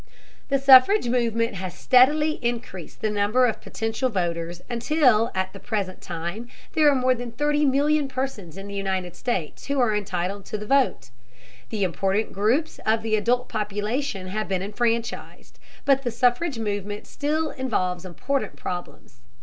The suffrage movement has steadily increased the number of potential voters until at the present time there are more than 30,000,000 persons in the United States who are entitled to the vote. The important groups of the adult population have been enfranchised, but the suffrage movement still involves important problems.